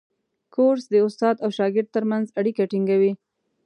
کورس د استاد او شاګرد ترمنځ اړیکه ټینګوي.